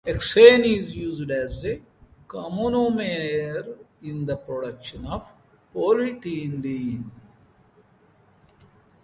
Hexene is used as a comonomer in the production of polyethylene.